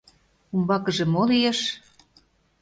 Умбакыже мо лиеш?..